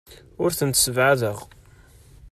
Ur tent-ssebɛadeɣ.